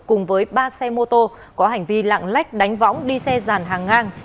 cùng với ba xe mô tô có hành vi lạng lách đánh võng đi xe ràn hàng ngang